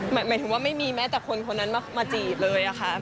หมายถึงว่าไม่มีแม้แต่คนคนนั้นมาจีบเลยค่ะ